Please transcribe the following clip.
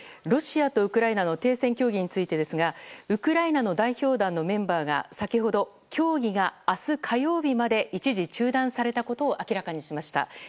ロシアとウクライナの停戦協議についてですがウクライナの代表団のメンバーが先ほど協議が明日火曜日まで一時中断されたことを明らかにしました。